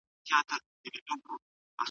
سیلانیان د سکي لوبې لپاره ځي.